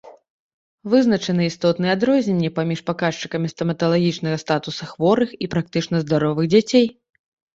Вызначаны істотныя адрозненні паміж паказчыкамі стаматалагічнага статуса хворых і практычна здаровых дзяцей.